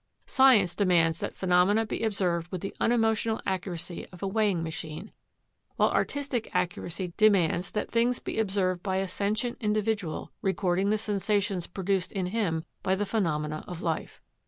Science demands that phenomena be observed with the unemotional accuracy of a weighing machine, while artistic accuracy demands that things be observed by a sentient individual recording the sensations produced in him by the phenomena of life.